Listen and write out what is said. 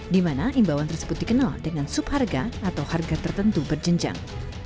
di mana imbauan tersebut dikenal dengan subharga atau harga tertentu berjenjang